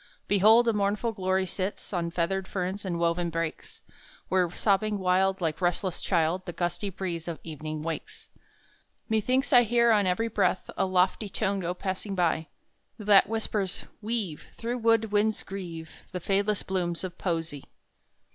Behold, a mournful glory sits On feathered ferns and woven brakes, Where sobbing wild like restless child The gusty breeze of evening wakes! Methinks I hear on every breath A lofty tone go passing by, That whispers "Weave, Though wood winds grieve, The fadeless blooms of Poesy!"